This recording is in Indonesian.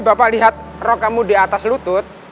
bapak lihat rok kamu di atas lutut